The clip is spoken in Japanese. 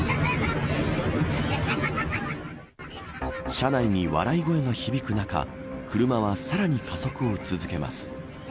車内に笑い声が響く中車は、さらに加速を続けます。